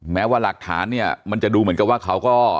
แม้ว่าหลักฐานเนี่ยมันจะดูเหมือนกับว่าเขาก็